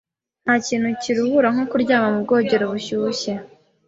Ntakintu kiruhura nko kuryama mu bwogero bushyushye.